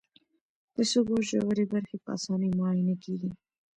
د سږو ژورې برخې په اسانۍ معاینه کېږي.